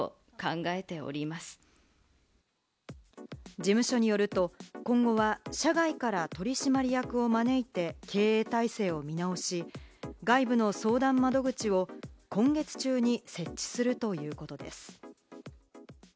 事務所によると、今後は社外から取締役を招いて経営体制を見直し、外部の相談窓口を今月中に設置するということです。